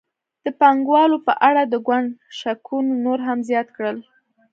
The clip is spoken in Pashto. د پانګوالو په اړه د ګوند شکونه نور هم زیات کړل.